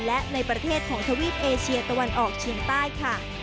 และในประเทศของทวีปเอเชียตะวันออกเฉียงใต้ค่ะ